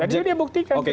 jadi dia buktikan